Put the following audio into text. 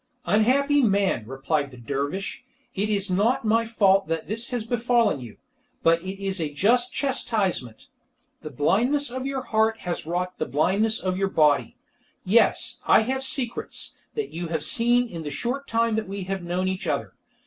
"Unhappy man," replied the dervish, "it is not my fault that this has befallen you, but it is a just chastisement. The blindness of your heart has wrought the blindness of your body. Yes, I have secrets; that you have seen in the short time that we have known each other.